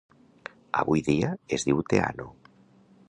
Avui dia es diu Teano.